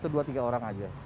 dua tiga orang aja